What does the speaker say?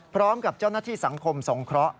พร้อมกับเจ้าหน้าที่สังคมสงเคราะห